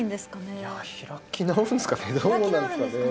いや開き直るんですかね。